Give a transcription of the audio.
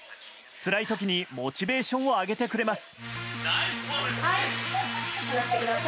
つらい時にモチベーションを上げてくれます。